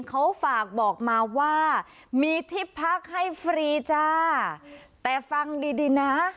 เขาฝากบอกมาว่ามีที่พักให้ฟรีจ้าแต่ฟังดีดีนะ